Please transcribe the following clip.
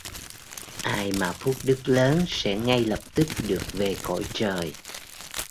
Ai mà phúc đức lớn sẽ ngay lập tức được về cõi trời